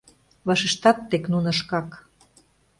Вашештат тек нуно шкак.